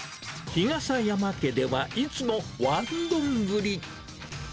日笠山家では、いつもワンどんぶり。